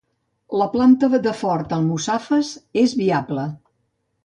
La planta de Ford Almussafes és viable